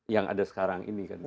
yang ada sekarang ini kan